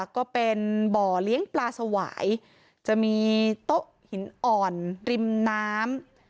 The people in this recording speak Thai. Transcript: ก็เป็นบ่อเลี้ยงปลาสวายจะมีโต๊ะหินอ่อนริมน้ำ